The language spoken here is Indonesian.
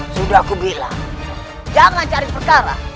sudah aku bilang jangan cari perkara